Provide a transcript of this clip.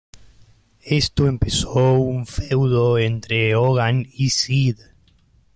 Esto empezó un feudo entre Hogan y Sid.